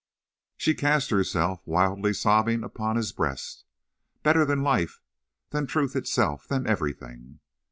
She cast herself, wildly sobbing, upon his breast. "Better than life—than truth itself—than everything."